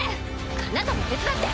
あなたも手伝って。